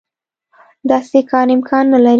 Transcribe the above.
داسې کار امکان نه لري.